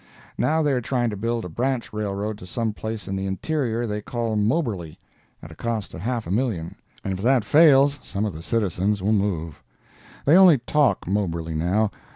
Now they are trying to build a branch railroad to some place in the interior they call Moberly, at a cost of half a million, and if that fails some of the citizens will move. They only talk Moberly now.